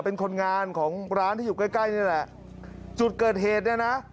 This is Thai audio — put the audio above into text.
เป็นคนงานของร้านที่อยู่ใกล้ใกล้นี่แหละจุดเกิดเหตุเนี่ยนะ